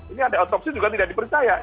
ini ada otopsi juga tidak dipercaya